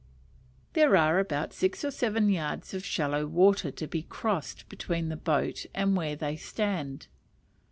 There are about six or seven yards of shallow water to be crossed between the boat and where they stand.